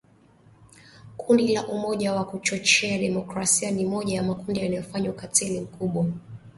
Kundi la Umoja wa Kuchochea Demokrasia ni moja ya makundi yanayofanya ukatili mkubwa